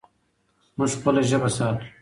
موږ خپله ژبه ساتو.